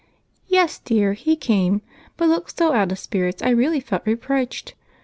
"Yes, dear, he came but looked so out of spirits I really felt reproached.